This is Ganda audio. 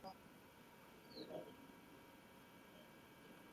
Oweekitiibwa Mulwanyammuli ategeezezza nti ba kukola buli kimu